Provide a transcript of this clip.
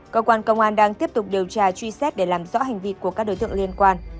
cơ quan công an đang tiếp tục điều tra truy xét để làm rõ hành vi của các đối tượng liên quan